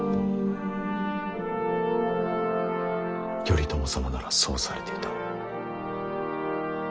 頼朝様ならそうされていた。